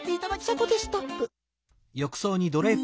そこでストップ。